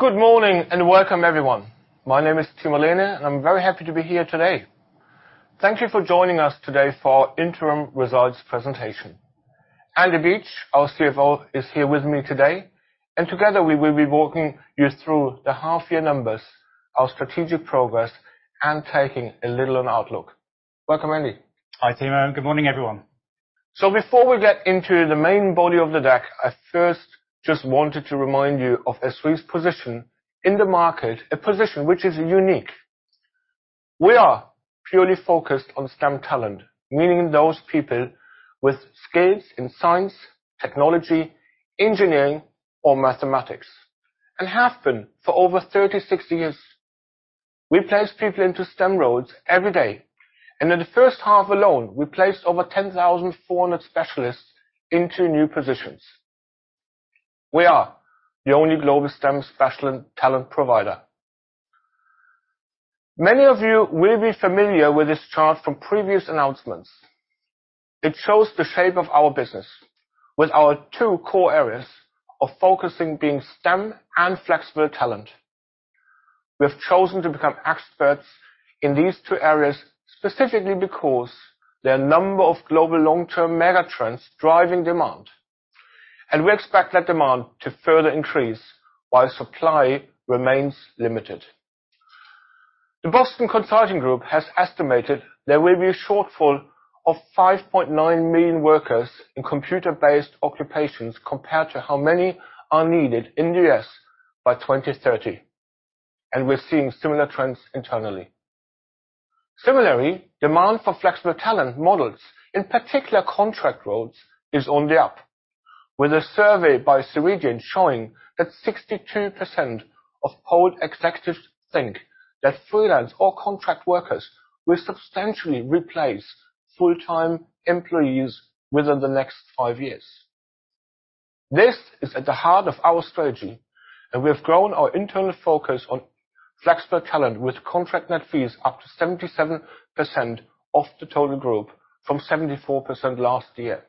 Good morning and welcome everyone. My name is Timo Lehne, and I'm very happy to be here today. Thank you for joining us today for our interim results presentation. Andrew Beach, our CFO, is here with me today, and together we will be walking you through the half year numbers, our strategic progress, and taking a little on outlook. Welcome, Andy. Hi, Timo. Good morning, everyone. Before we get into the main body of the deck, I first just wanted to remind you of SThree's position in the market, a position which is unique. We are purely focused on STEM talent, meaning those people with skills in science, technology, engineering or mathematics, and have been for over 36 years. We place people into STEM roles every day, and in the first half alone, we placed over 10,400 specialists into new positions. We are the only global STEM specialist talent provider. Many of you will be familiar with this chart from previous announcements. It shows the shape of our business with our two core areas of focusing being STEM and flexible talent. We have chosen to become experts in these two areas, specifically because there are a number of global long-term mega trends driving demand, and we expect that demand to further increase while supply remains limited. The Boston Consulting Group has estimated there will be a shortfall of 5.9 million workers in computer-based occupations compared to how many are needed in the U.S. by 2030, and we're seeing similar trends internally. Similarly, demand for flexible talent models, in particular contract roles, is on the up with a survey by Ceridian showing that 62% of polled executives think that freelance or contract workers will substantially replace full-time employees within the next five years. This is at the heart of our strategy, and we have grown our internal focus on flexible talent with contract net fees up to 77% of the total group from 74% last year.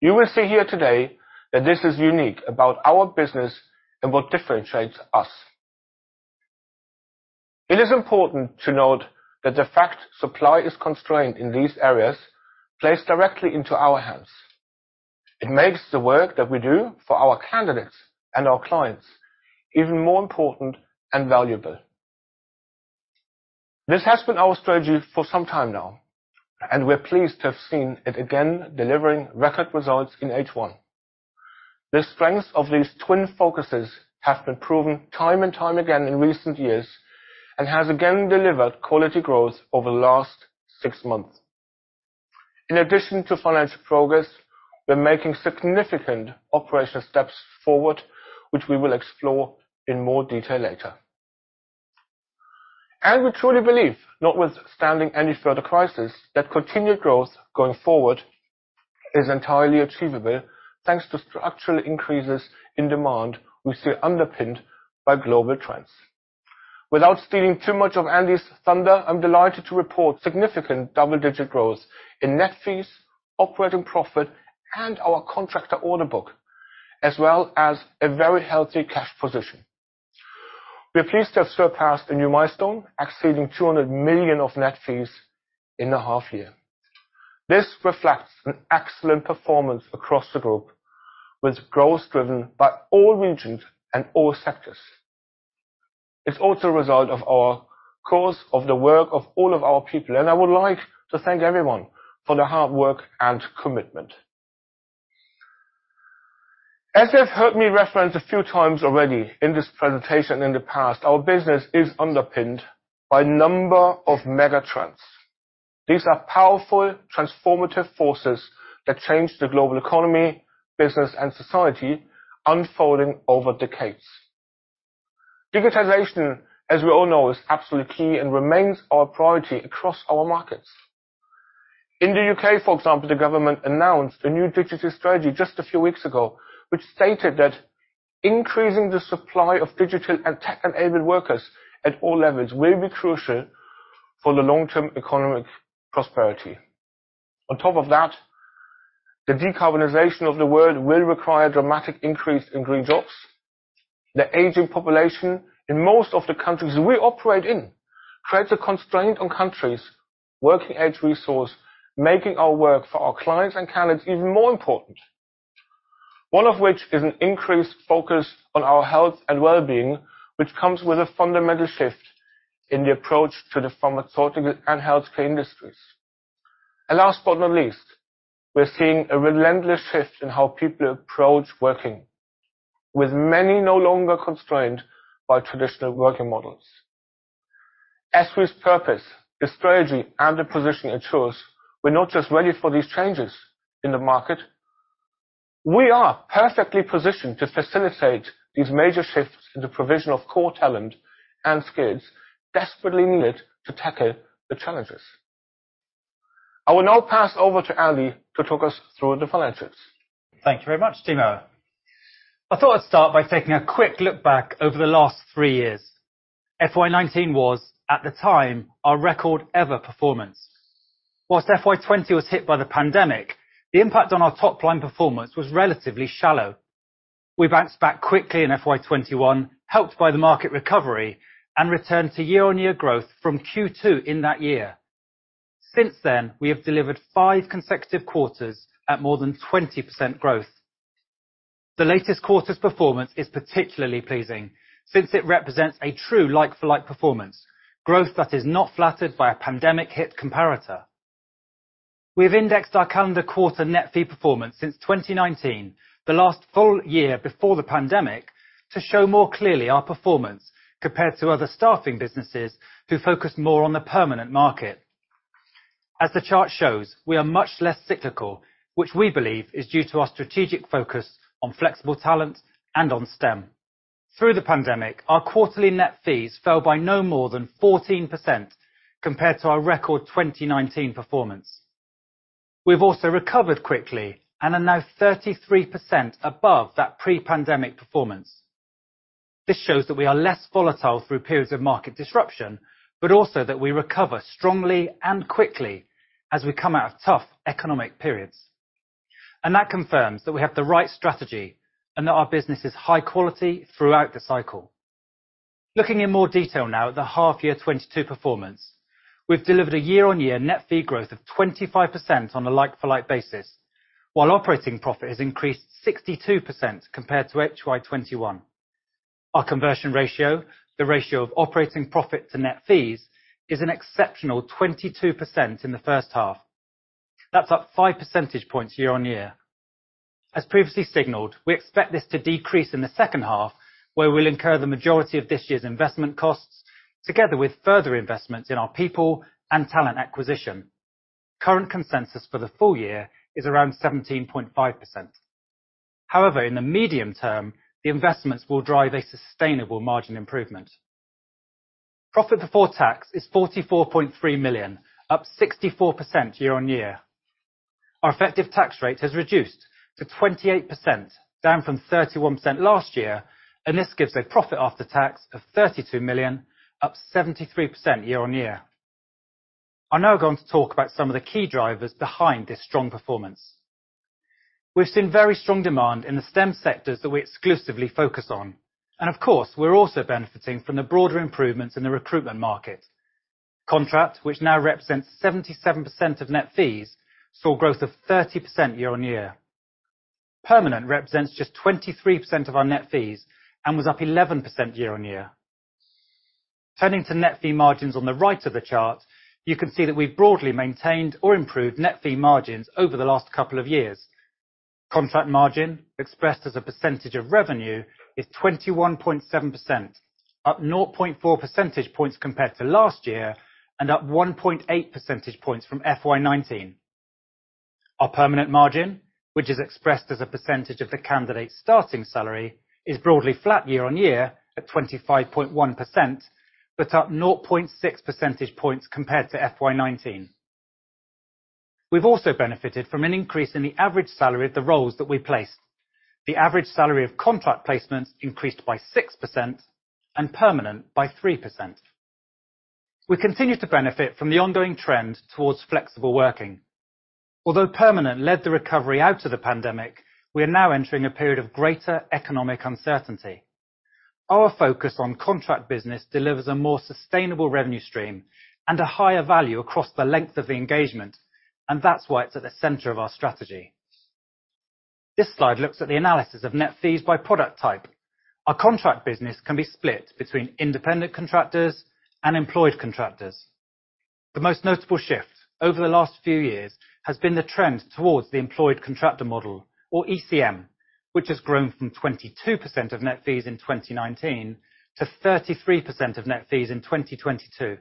You will see here today that this is unique about our business and what differentiates us. It is important to note that the fact supply is constrained in these areas plays directly into our hands. It makes the work that we do for our candidates and our clients even more important and valuable. This has been our strategy for some time now, and we're pleased to have seen it again delivering record results in H1. The strengths of these twin focuses have been proven time and time again in recent years and has again delivered quality growth over the last six months. In addition to financial progress, we're making significant operational steps forward, which we will explore in more detail later. We truly believe, notwithstanding any further crisis, that continued growth going forward is entirely achievable thanks to structural increases in demand we see underpinned by global trends. Without stealing too much of Andy's thunder, I'm delighted to report significant double-digit growth in net fees, operating profit and our contractor order book, as well as a very healthy cash position. We are pleased to have surpassed a new milestone, exceeding 200 million of net fees in the half year. This reflects an excellent performance across the group with growth driven by all regions and all sectors. It's also a result of the course of our work of all of our people, and I would like to thank everyone for their hard work and commitment. As you have heard me reference a few times already in this presentation in the past, our business is underpinned by a number of mega trends. These are powerful transformative forces that change the global economy, business and society unfolding over decades. Digitization, as we all know, is absolutely key and remains our priority across our markets. In the U.K., for example, the government announced a new digital strategy just a few weeks ago, which stated that increasing the supply of digital and tech-enabled workers at all levels will be crucial for the long-term economic prosperity. On top of that, the decarbonization of the world will require dramatic increase in green jobs. The aging population in most of the countries we operate in creates a constraint on countries' working-age workforce, making our work for our clients and candidates even more important. One of which is an increased focus on our health and well-being, which comes with a fundamental shift in the approach to the pharmaceutical and healthcare industries. Last but not least, we're seeing a relentless shift in how people approach working with many no longer constrained by traditional working models. SThree's purpose, the strategy, and the position ensures we're not just ready for these changes in the market, we are perfectly positioned to facilitate these major shifts in the provision of core talent and skills desperately needed to tackle the challenges. I will now pass over to Andy to talk us through the financials. Thank you very much, Timo. I thought I'd start by taking a quick look back over the last three years. FY 2019 was, at the time, our record ever performance. While FY 2020 was hit by the pandemic, the impact on our top-line performance was relatively shallow. We bounced back quickly in FY 2021, helped by the market recovery, and returned to year-on-year growth from Q2 in that year. Since then, we have delivered five consecutive quarters at more than 20% growth. The latest quarter's performance is particularly pleasing since it represents a true like-for-like performance, growth that is not flattered by a pandemic hit comparator. We have indexed our calendar quarter net fee performance since 2019, the last full year before the pandemic, to show more clearly our performance compared to other staffing businesses who focus more on the permanent market. As the chart shows, we are much less cyclical, which we believe is due to our strategic focus on flexible talent and on STEM. Through the pandemic, our quarterly net fees fell by no more than 14% compared to our record 2019 performance. We've also recovered quickly and are now 33% above that pre-pandemic performance. This shows that we are less volatile through periods of market disruption, but also that we recover strongly and quickly as we come out of tough economic periods. That confirms that we have the right strategy and that our business is high quality throughout the cycle. Looking in more detail now at the half year 2022 performance, we've delivered a year-on-year net fee growth of 25% on a like-for-like basis, while operating profit has increased 62% compared to HY 2021. Our conversion ratio, the ratio of operating profit to net fees, is an exceptional 22% in the first half. That's up five percentage points year-on-year. As previously signaled, we expect this to decrease in the second half, where we'll incur the majority of this year's investment costs together with further investments in our people and talent acquisition. Current consensus for the full year is around 17.5%. However, in the medium term, the investments will drive a sustainable margin improvement. Profit before tax is 44.3 million, up 64% year-on-year. Our effective tax rate has reduced to 28%, down from 31% last year, and this gives a profit after tax of 32 million, up 73% year-on-year. I'm now going to talk about some of the key drivers behind this strong performance. We've seen very strong demand in the STEM sectors that we exclusively focus on. Of course, we're also benefiting from the broader improvements in the recruitment market. Contract, which now represents 77% of net fees, saw growth of 30% year-on-year. Permanent represents just 23% of our net fees and was up 11% year-on-year. Turning to net fee margins on the right of the chart, you can see that we've broadly maintained or improved net fee margins over the last couple of years. Contract margin, expressed as a percentage of revenue, is 21.7%, up 0.4 percentage points compared to last year and up 1.8 percentage points from FY 2019. Our permanent margin, which is expressed as a percentage of the candidate's starting salary, is broadly flat year-on-year at 25.1%, but up 0.6 percentage points compared to FY 2019. We've also benefited from an increase in the average salary of the roles that we placed. The average salary of contract placements increased by 6% and permanent by 3%. We continue to benefit from the ongoing trend towards flexible working. Although permanent led the recovery out of the pandemic, we are now entering a period of greater economic uncertainty. Our focus on contract business delivers a more sustainable revenue stream and a higher value across the length of the engagement, and that's why it's at the center of our strategy. This slide looks at the analysis of net fees by product type. Our contract business can be split between independent contractors and employed contractors. The most notable shift over the last few years has been the trend towards the employed contractor model or ECM, which has grown from 22% of net fees in 2019 to 33% of net fees in 2022.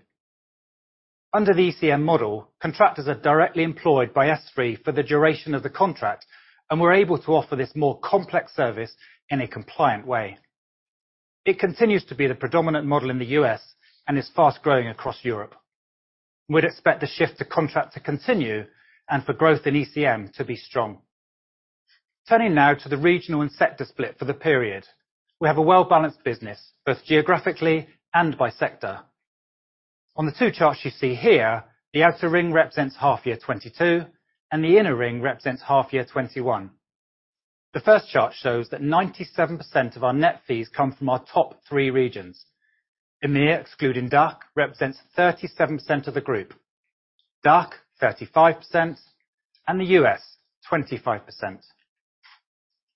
Under the ECM model, contractors are directly employed by SThree for the duration of the contract, and we're able to offer this more complex service in a compliant way. It continues to be the predominant model in the U.S. and is fast growing across Europe. We'd expect the shift to contract to continue and for growth in ECM to be strong. Turning now to the regional and sector split for the period. We have a well-balanced business, both geographically and by sector. On the two charts you see here, the outer ring represents half year 2022, and the inner ring represents half year 2021. The first chart shows that 97% of our net fees come from our top three regions. EMEIA excluding DACH represents 37% of the group. DACH, 35%, and the US, 25%.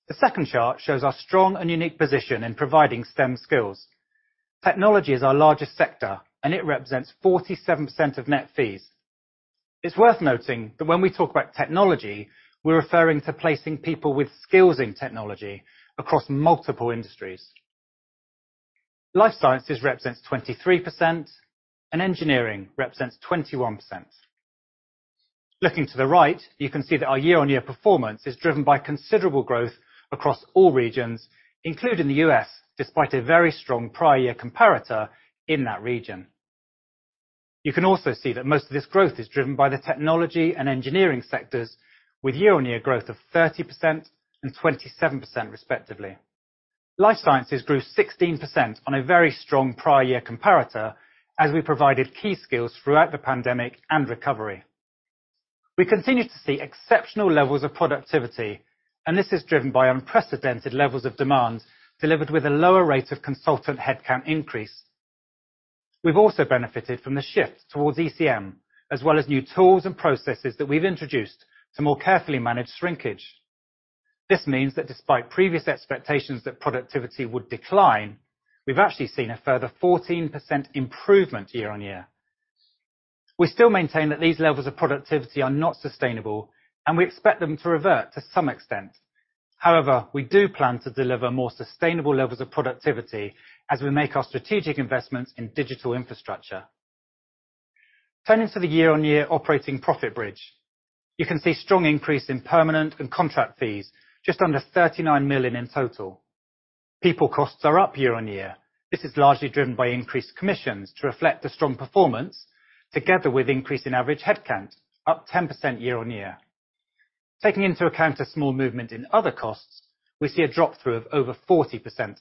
The second chart shows our strong and unique position in providing STEM skills. Technology is our largest sector, and it represents 47% of net fees. It's worth noting that when we talk about technology, we're referring to placing people with skills in technology across multiple industries. Life sciences represents 23%, and engineering represents 21%. Looking to the right, you can see that our year-on-year performance is driven by considerable growth across all regions, including the US, despite a very strong prior year comparator in that region. You can also see that most of this growth is driven by the technology and engineering sectors with year-on-year growth of 30% and 27% respectively. Life sciences grew 16% on a very strong prior year comparator as we provided key skills throughout the pandemic and recovery. We continue to see exceptional levels of productivity, and this is driven by unprecedented levels of demand delivered with a lower rate of consultant headcount increase. We've also benefited from the shift towards ECM, as well as new tools and processes that we've introduced to more carefully manage shrinkage. This means that despite previous expectations that productivity would decline, we've actually seen a further 14% improvement year-on-year. We still maintain that these levels of productivity are not sustainable, and we expect them to revert to some extent. However, we do plan to deliver more sustainable levels of productivity as we make our strategic investments in digital infrastructure. Turning to the year-over-year operating profit bridge. You can see strong increase in permanent and contract fees, just under 39 million in total. People costs are up year-over-year. This is largely driven by increased commissions to reflect the strong performance together with increase in average headcount, up 10% year-over-year. Taking into account a small movement in other costs, we see a drop-through of over 40%.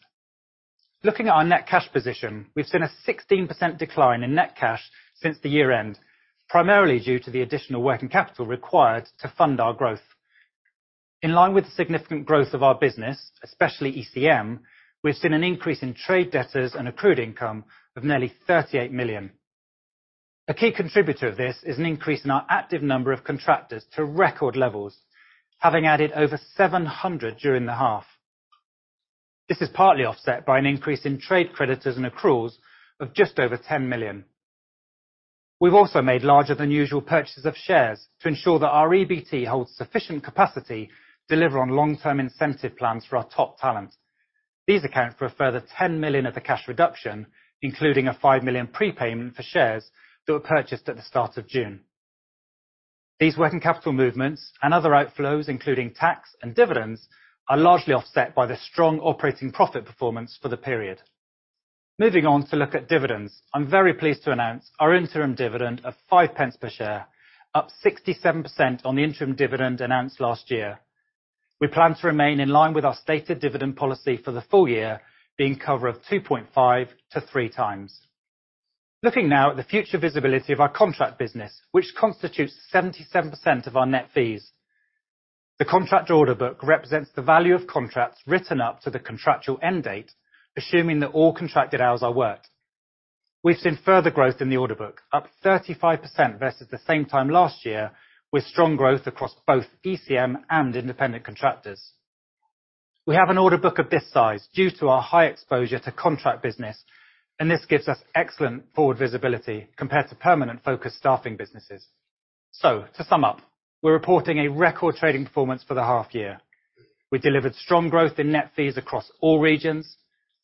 Looking at our net cash position, we've seen a 16% decline in net cash since the year end, primarily due to the additional working capital required to fund our growth. In line with the significant growth of our business, especially ECM, we've seen an increase in trade debtors and accrued income of nearly 38 million. A key contributor to this is an increase in our active number of contractors to record levels, having added over 700 during the half. This is partly offset by an increase in trade creditors and accruals of just over 10 million. We've also made larger than usual purchases of shares to ensure that our EBT holds sufficient capacity to deliver on long-term incentive plans for our top talent. These account for a further 10 million of the cash reduction, including a 5 million prepayment for shares that were purchased at the start of June. These working capital movements and other outflows, including tax and dividends, are largely offset by the strong operating profit performance for the period. Moving on to look at dividends. I'm very pleased to announce our interim dividend of 0.05 per share, up 67% on the interim dividend announced last year. We plan to remain in line with our stated dividend policy for the full year being cover of 2.5x-3x. Looking now at the future visibility of our contract business, which constitutes 77% of our net fees. The contract order book represents the value of contracts written up to the contractual end date, assuming that all contracted hours are worked. We've seen further growth in the order book, up 35% versus the same time last year, with strong growth across both ECM and independent contractors. We have an order book of this size due to our high exposure to contract business, and this gives us excellent forward visibility compared to permanent focused staffing businesses. To sum up, we're reporting a record trading performance for the half year. We delivered strong growth in net fees across all regions,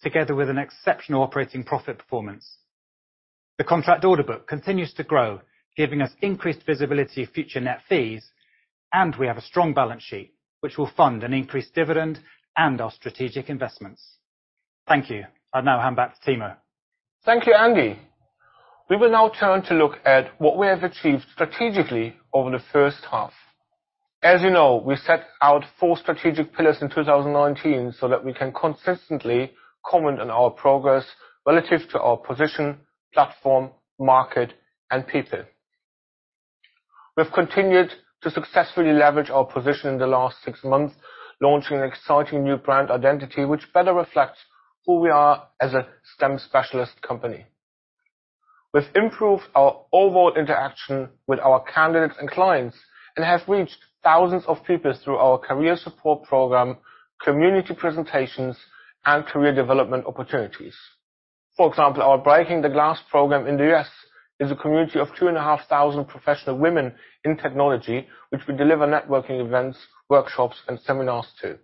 together with an exceptional operating profit performance. The contract order book continues to grow, giving us increased visibility of future net fees, and we have a strong balance sheet, which will fund an increased dividend and our strategic investments. Thank you. I'll now hand back to Timo. Thank you, Andy. We will now turn to look at what we have achieved strategically over the first half. As you know, we set out four strategic pillars in 2019 so that we can consistently comment on our progress relative to our position, platform, market, and people. We've continued to successfully leverage our position in the last six months, launching an exciting new brand identity which better reflects who we are as a STEM specialist company. We've improved our overall interaction with our candidates and clients and have reached thousands of people through our career support program, community presentations, and career development opportunities. For example, our Breaking the Glass program in the U.S. is a community of 2,500 professional women in technology, which we deliver networking events, workshops, and seminars to.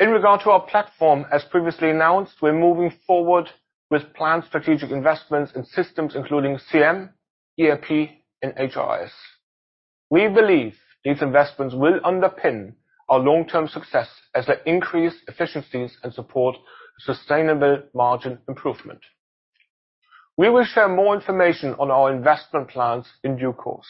In regard to our platform, as previously announced, we're moving forward with planned strategic investments in systems including CRM, ERP, and HRIS. We believe these investments will underpin our long-term success as they increase efficiencies and support sustainable margin improvement. We will share more information on our investment plans in due course.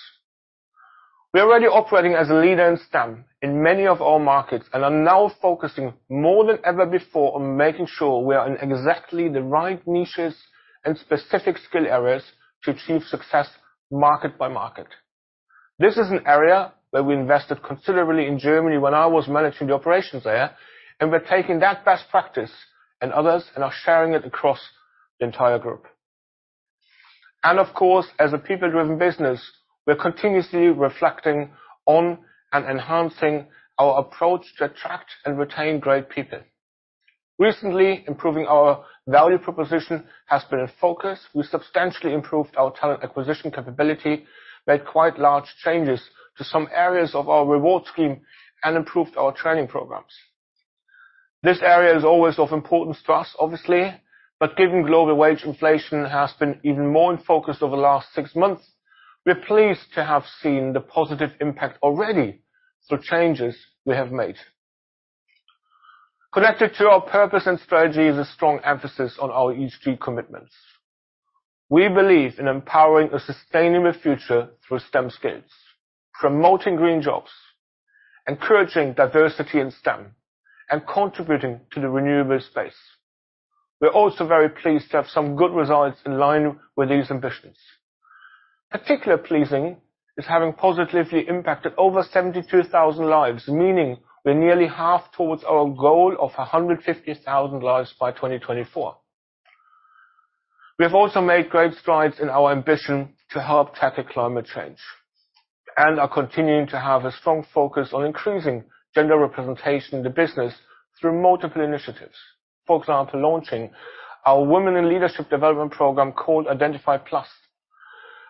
We are already operating as a leader in STEM in many of our markets and are now focusing more than ever before on making sure we are in exactly the right niches and specific skill areas to achieve success market by market. This is an area where we invested considerably in Germany when I was managing the operations there, and we're taking that best practice and others, and are sharing it across the entire group. Of course, as a people-driven business, we are continuously reflecting on and enhancing our approach to attract and retain great people. Recently, improving our value proposition has been a focus. We substantially improved our talent acquisition capability, made quite large changes to some areas of our reward scheme, and improved our training programs. This area is always of importance to us, obviously, but given global wage inflation has been even more in focus over the last six months, we are pleased to have seen the positive impact already through changes we have made. Connected to our purpose and strategy is a strong emphasis on our ESG commitments. We believe in empowering a sustainable future through STEM skills, promoting green jobs, encouraging diversity in STEM, and contributing to the renewable space. We're also very pleased to have some good results in line with these ambitions. Particularly pleasing is having positively impacted over 72,000 lives, meaning we're nearly half towards our goal of 150,000 lives by 2024. We have also made great strides in our ambition to help tackle climate change and are continuing to have a strong focus on increasing gender representation in the business through multiple initiatives. For example, launching our Women in Leadership development program called Identify+.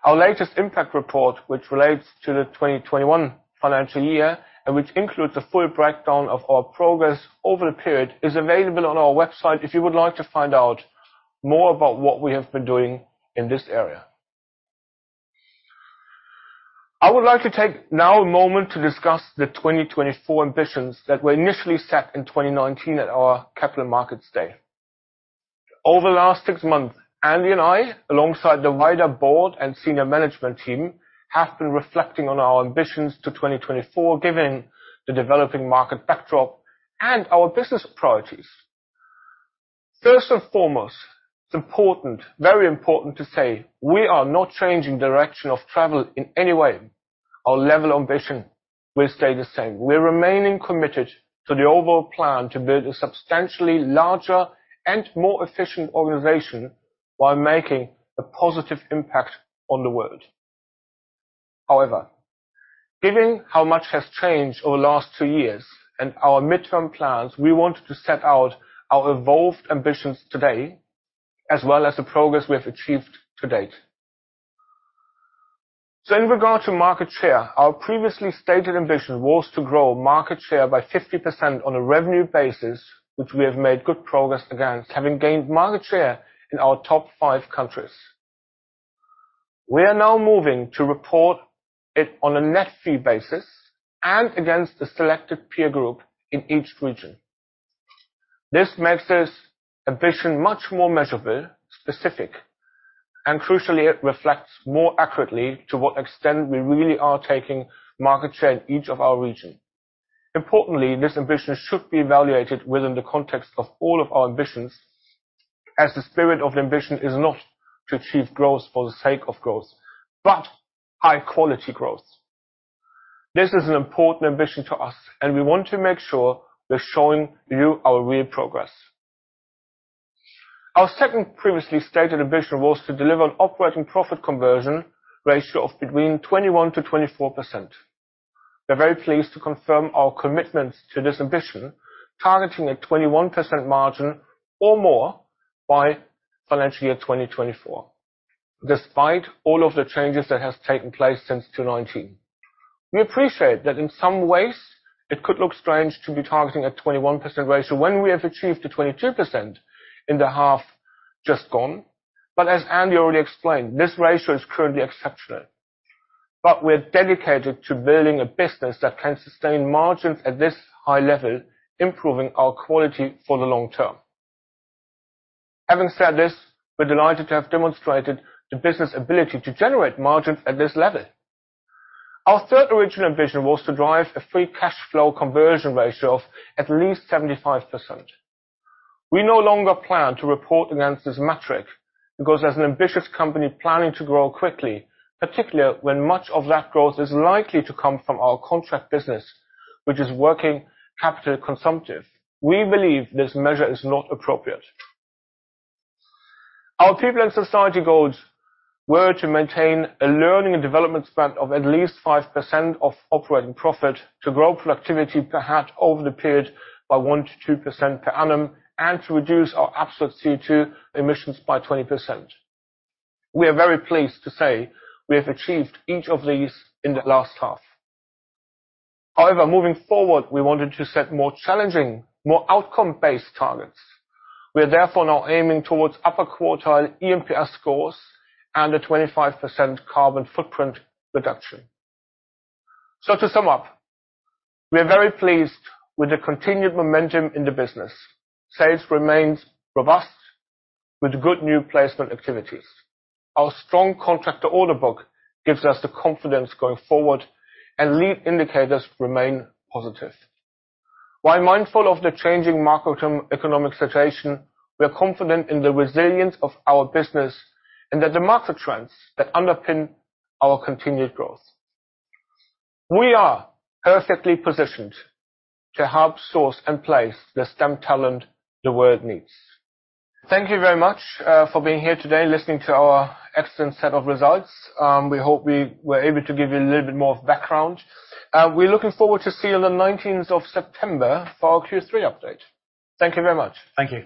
Our latest impact report, which relates to the 2021 financial year and which includes a full breakdown of our progress over the period, is available on our website if you would like to find out more about what we have been doing in this area. I would like to take now a moment to discuss the 2024 ambitions that were initially set in 2019 at our Capital Markets Day. Over the last six months, Andy and I, alongside the wider board and senior management team, have been reflecting on our ambitions to 2024, given the developing market backdrop and our business priorities. First and foremost, it's important, very important, to say we are not changing direction of travel in any way. Our level of ambition will stay the same. We're remaining committed to the overall plan to build a substantially larger and more efficient organization while making a positive impact on the world. However, given how much has changed over the last two years and our midterm plans, we want to set out our evolved ambitions today, as well as the progress we have achieved to date. In regard to market share, our previously stated ambition was to grow market share by 50% on a revenue basis, which we have made good progress against, having gained market share in our top five countries. We are now moving to report it on a net fee basis and against a selected peer group in each region. This makes this ambition much more measurable, specific, and crucially, it reflects more accurately to what extent we really are taking market share in each of our region. Importantly, this ambition should be evaluated within the context of all of our ambitions, as the spirit of the ambition is not to achieve growth for the sake of growth, but high quality growth. This is an important ambition to us, and we want to make sure we're showing you our real progress. Our second previously stated ambition was to deliver an operating profit conversion ratio of between 21%-24%. We're very pleased to confirm our commitment to this ambition, targeting a 21% margin or more by financial year 2024, despite all of the changes that has taken place since 2019. We appreciate that in some ways it could look strange to be targeting a 21% ratio when we have achieved a 22% in the half just gone. As Andy already explained, this ratio is currently exceptional. We're dedicated to building a business that can sustain margins at this high level, improving our quality for the long term. Having said this, we're delighted to have demonstrated the business' ability to generate margins at this level. Our third original ambition was to drive a free cash flow conversion ratio of at least 75%. We no longer plan to report against this metric because as an ambitious company planning to grow quickly, particularly when much of that growth is likely to come from our contract business, which is working capital consumptive. We believe this measure is not appropriate. Our people and society goals were to maintain a learning and development spend of at least 5% of operating profit to grow productivity per head over the period by 1%-2% per annum, and to reduce our absolute CO2 emissions by 20%. We are very pleased to say we have achieved each of these in the last half. However, moving forward, we wanted to set more challenging, more outcome-based targets. We are therefore now aiming towards upper quartile eNPS scores and a 25% carbon footprint reduction. To sum up, we are very pleased with the continued momentum in the business. Sales remains robust with good new placement activities. Our strong contractor order book gives us the confidence going forward, and lead indicators remain positive. While mindful of the changing macroeconomic situation, we are confident in the resilience of our business and that the market trends that underpin our continued growth. We are perfectly positioned to help source and place the STEM talent the world needs. Thank you very much for being here today, listening to our excellent set of results. We hope we were able to give you a little bit more of background. We're looking forward to see you on the 19th of September for our Q3 update. Thank you very much. Thank you.